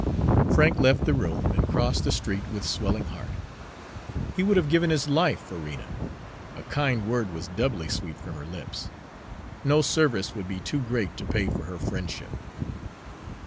Frank left the room and crossed the street with swelling heart. He would have given his life for Rena. A kind word was doubly sweet from her lips; no service would be too great to pay for her friendship.